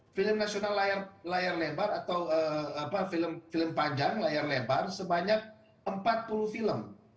film nasional layar lebar atau film panjang layar lebar sebanyak empat puluh film